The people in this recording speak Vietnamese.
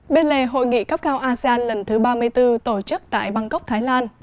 bên lề hội nghị cấp cao asean lần thứ ba mươi bốn tổ chức tại bangkok thái lan